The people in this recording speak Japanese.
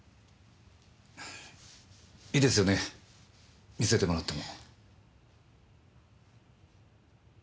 いいですよね観せてもらっても。